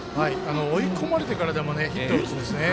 追い込まれてからでもヒットを打つんですね。